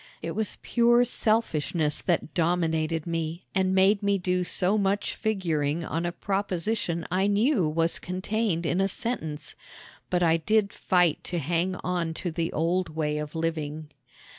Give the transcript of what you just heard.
It was pure selfishness that dominated me and made me do so much figuring on a proposition I knew was contained in a sentence; but I did fight to hang on to the old way of living.